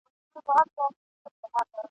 بس دده ګناه همدا وه چي غویی وو ..